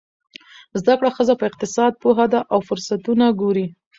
زده کړه ښځه په اقتصاد پوهه ده او فرصتونه ګوري.